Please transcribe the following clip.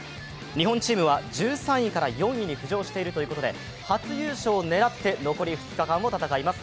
日本チームは１３位から４位に浮上しているということで初優勝を狙って残り２日間を戦います。